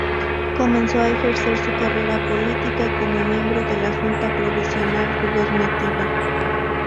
Comenzó a ejercer su carrera política como miembro de la Junta Provisional Gubernativa.